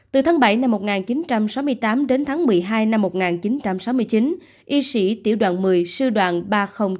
từ tháng bảy năm một nghìn chín trăm sáu mươi tám đến tháng một mươi hai năm một nghìn chín trăm sáu mươi chín y sĩ tiểu đoàn một mươi sư đoàn ba trăm linh tám